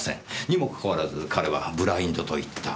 にもかかわらず彼はブラインドと言った。